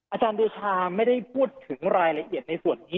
อาจารย์เดชาไม่ได้พูดถึงรายละเอียดในส่วนนี้